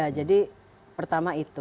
iya jadi pertama itu